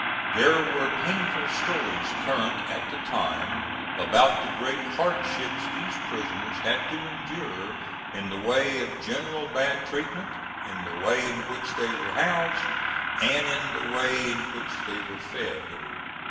There were painful stories current at the time about the great hardships these prisoners had to endure in the way of general bad treatment, in the way in which they were housed, and in the way in which they were fed.